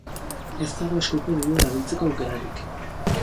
Ez dago eskuko dirua erabiltzeko aukerarik.